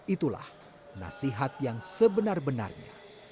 itulah nasihat yang sebenar benarnya